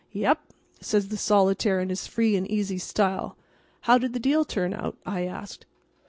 "Yep," says the solitaire in his free and easy style. "How did the deal turn out?" I asked.